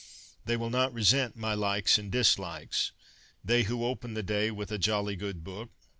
They will not resent my likes and dislikes — they who open the day with a ' jolly good book.'